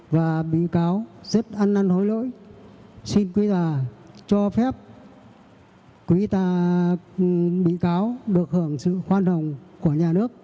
và bị cáo rất ăn ăn hối lỗi xin quý tà cho phép quý tà bị cáo được hưởng sự khoan hồng của nhà nước